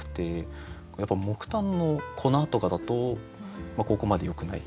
やっぱ木炭の粉とかだとここまでよくない。